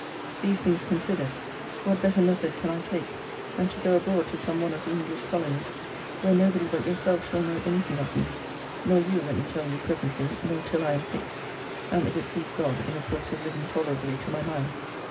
These things considered, what better method can I take, than to go abroad to some one of the English colonies; where nobody but yourself shall know any thing of me; nor you, let me tell you, presently, nor till I am fixed, and (if it please God) in a course of living tolerably to my mind?